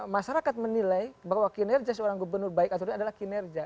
masyarakat menilai bahwa kinerja seorang gubernur baik atau ini adalah kinerja